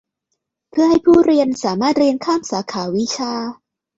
เพื่อให้ผู้เรียนสามารถเรียนข้ามสาขาวิชา